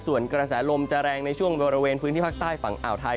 ส่วนกระแสลมจะแรงในช่วงบริเวณพื้นที่ภาคใต้ฝั่งอ่าวไทย